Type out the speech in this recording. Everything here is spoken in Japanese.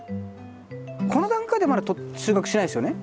この段階ではまだ収穫しないですよね。